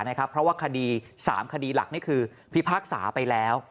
เพราะว่าคดี๓คดีหลักนี่คือพิพากษาไปแล้ว